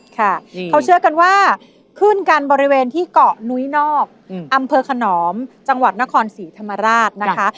ค่ะเขาเชื่อกันว่าขึ้นกันบริเวณที่เกาะนุ้ยนอกอำเภอขนอมจังหวัดนครศรีธรรมราชนะคะ